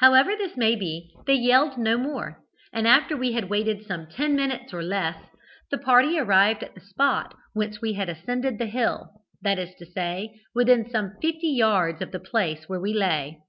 However this may be, they yelled no more, and after we had waited for some ten minutes or less, the party arrived at the spot whence we had ascended the hill, that is to say, within some fifty yards of the place where we lay.